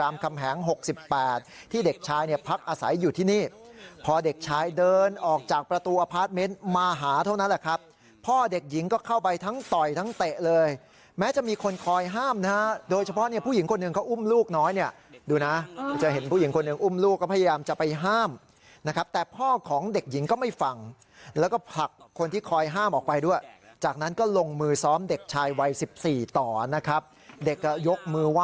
มาหาเท่านั้นแหละครับพ่อเด็กหญิงก็เข้าไปทั้งต่อยทั้งเตะเลยแม้จะมีคนคอยห้ามนะโดยเฉพาะเนี่ยผู้หญิงคนหนึ่งเขาอุ้มลูกน้อยเนี่ยดูนะจะเห็นผู้หญิงคนหนึ่งอุ้มลูกก็พยายามจะไปห้ามนะครับแต่พ่อของเด็กหญิงก็ไม่ฟังแล้วก็ผลักคนที่คอยห้ามออกไปด้วยจากนั้นก็ลงมือซ้อมเด็กชายวัย๑๔ต่อนะครับเด็กก็ยก